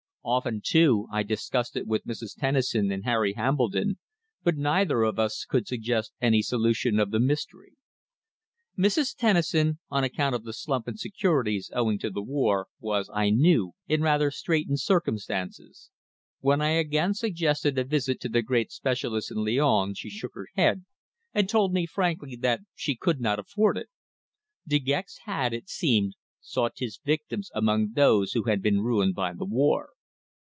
Often, too, I discussed it with Mrs. Tennison and with Harry Hambledon, but neither of us could suggest any solution of the mystery. Mrs. Tennison, on account of the slump in securities owing to the war, was, I knew, in rather straitened circumstances. When I again suggested a visit to the great specialist in Lyons she shook her head, and told me frankly that she could not afford it. De Gex had, it seemed, sought his victims among those who had been ruined by the war.